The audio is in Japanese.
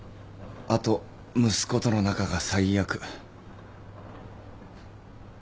あと息子との仲が最悪。